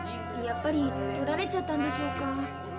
やっぱりとられちゃったんでしょうか。